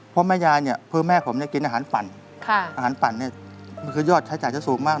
เพราะแม่ผมกินอาหารฝั่นอาหารฝั่นนี่คือยอดใช้จ่ายจะสูงมาก